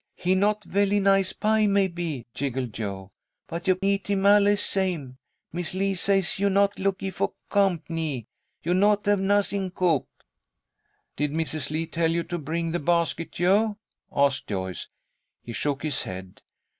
"He not velly nice pie, maybe," giggled Jo. "But you eat him allee same. Mis' Lee say you not lookee for comp'nee. You not have nuzzing cook." "Did Mrs. Lee tell you to bring the basket, Jo?" asked Joyce. He shook his head.